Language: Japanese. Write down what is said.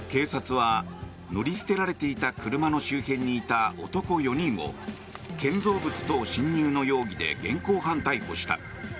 警察は乗り捨てられていた車の周辺にいた男４人を建造物等侵入の容疑で現行犯逮捕した。